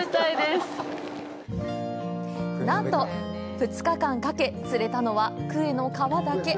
２日間かけ、釣れたのはクエの皮だけ。